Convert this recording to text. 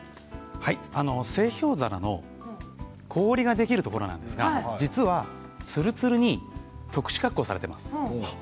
製氷皿の氷ができるところなんですが実は、つるつるに特殊加工されています。